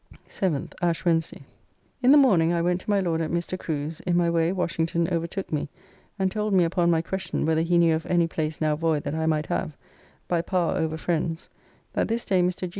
7th. (Ash Wednesday.) In the morning I went to my Lord at Mr. Crew's, in my way Washington overtook me and told me upon my question whether he knew of any place now void that I might have, by power over friends, that this day Mr. G.